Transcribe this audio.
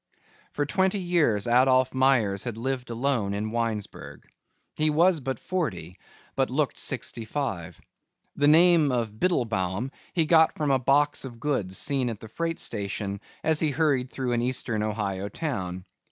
For twenty years Adolph Myers had lived alone in Winesburg. He was but forty but looked sixty five. The name of Biddlebaum he got from a box of goods seen at a freight station as he hurried through an eastern Ohio town.